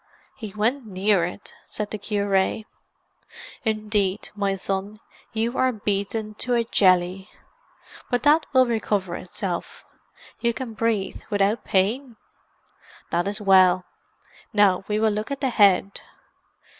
"He went near it," said the cure. "Indeed, my son, you are beaten to a jelly. But that will recover itself. You can breathe without pain? That is well. Now we will look at the head."